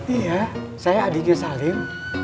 iya saya adiknya salim